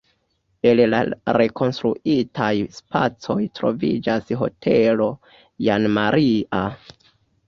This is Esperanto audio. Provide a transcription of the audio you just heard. En la rekonstruitaj spacoj troviĝas hotelo Jan Maria.